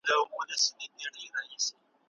په پښتو شعر کې د بیابان او صحرا یادونه ډېره ده.